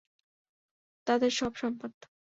তাদের সব সম্পদ।